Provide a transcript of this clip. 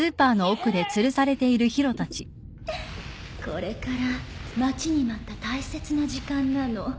これから待ちに待った大切な時間なの。